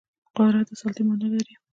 قدرت د سلطې معنا لري